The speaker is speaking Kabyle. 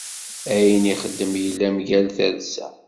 Ayen ixeddem yella mgal talsa.